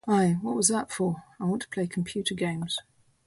Aye, what was that for? I want to play computer games!